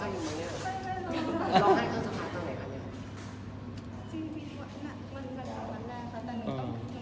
หลังจากที่ผ่านมามีข้อความไหนที่ทำให้เรามันรู้สึกว่ากระเบิดใจมาก